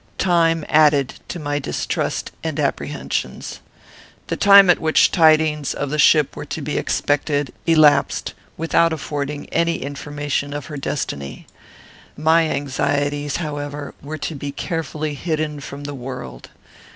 Time added to my distrust and apprehensions. The time at which tidings of the ship were to be expected elapsed without affording any information of her destiny. My anxieties, however, were to be carefully hidden from the world.